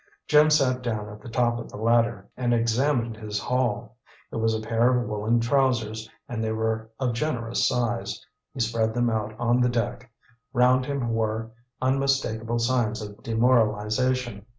Jim sat down at the top of the ladder and examined his haul. It was a pair of woolen trousers, and they were of generous size. He spread them out on the deck. Round him were unmistakable signs of demoralization.